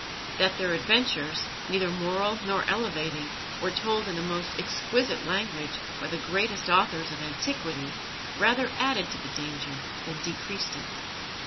That their adventures, neither moral nor elevating, were told in the most exquisite language by the greatest authors of antiquity rather added to the danger than decreased it.